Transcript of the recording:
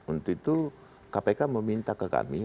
untuk itu kpk meminta ke kami